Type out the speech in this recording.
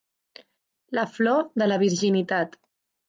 La flor de la virginitat.